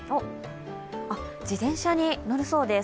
自転車に乗るそうです。